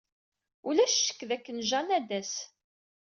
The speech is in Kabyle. Ulac ccek dakken Jane ad d-tas.